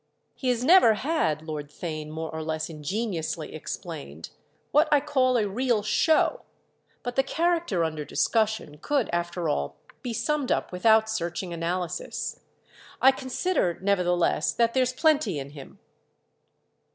"He has never had," Lord Theign more or less ingeniously explained, "what I call a real show." But the character under discussion could after all be summed up without searching analysis. "I consider nevertheless that there's plenty in him."